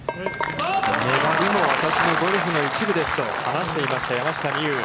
粘りも私のゴルフの一部ですと話していました、山下美夢有。